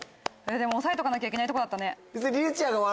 でも押さえとかなきゃいけないとこだったね。